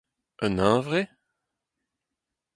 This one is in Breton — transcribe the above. Un huñvre ?